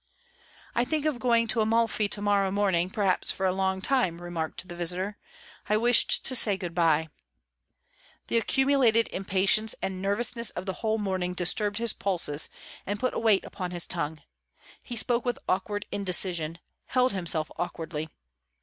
"I think of going to Amalfi to morrow morning, perhaps for a long time," remarked the visitor. "I wished to say good bye." The accumulated impatience and nervousness of the whole morning disturbed his pulses and put a weight upon his tongue; he spoke with awkward indecision, held himself awkwardly.